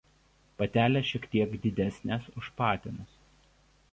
Patelės šiek tiek didesnės už patinus.